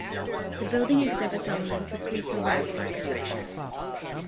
The building exhibits elements of Greek Revival architecture.